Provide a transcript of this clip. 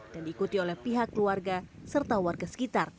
dan diikuti oleh pihak keluarga serta warga sekitar